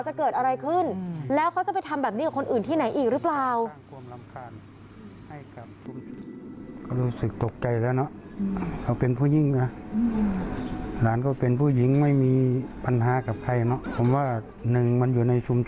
จะเกิดอะไรขึ้นแล้วเขาก็จะไปทำแบบนี้